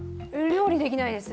料理できないです。